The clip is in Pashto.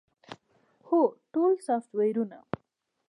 هو، ټول سافټویرونه